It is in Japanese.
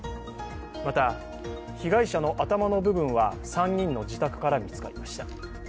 また、被害者の頭の部分は３人の自宅から見つかりました。